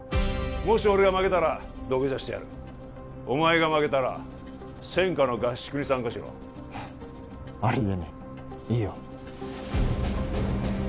もし俺が負けたら土下座してやるお前が負けたら専科の合宿に参加しろフッありえねえいいよ